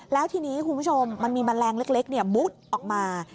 แล้วทีนี้คุณผู้ชมมันมีมันแรงเล็กเนี่ยบุ๊บออกมา